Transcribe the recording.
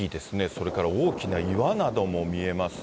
それから大きな岩なども見えます。